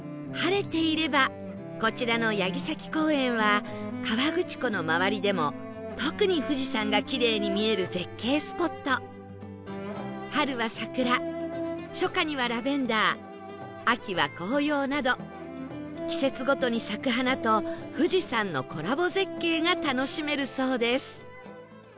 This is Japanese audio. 晴れていればこちらの八木崎公園は河口湖の周りでも特に富士山がキレイに見える絶景スポット春は桜初夏にはラベンダー秋は紅葉など季節ごとに咲く花と富士山のコラボ絶景が楽しめるそうです